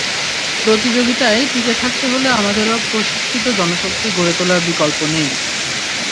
প্রতিযোগিতায় টিকে থাকতে হলে আমাদেরও প্রশিক্ষিত জনশক্তি গড়ে তোলার বিকল্প নেই।